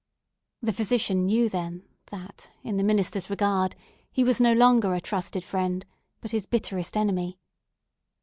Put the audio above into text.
The physician knew then that in the minister's regard he was no longer a trusted friend, but his bitterest enemy.